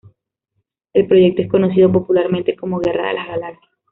El proyecto es conocido popularmente como "Guerra de las Galaxias".